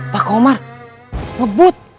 pak komar mebut